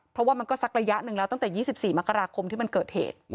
เพราะว่ามันก็สักระยะหนึ่งแล้วตั้งแต่๒๔มกราคมที่มันเกิดเหตุ